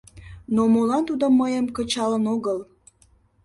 — Но молан тудо мыйым кычалын огыл?